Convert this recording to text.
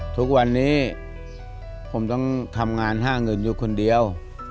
ทุกวันนี้ผมต้องทำงานห้าเงินอยู่คนเดียว